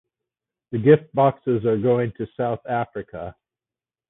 The gift boxes are going to South Africa.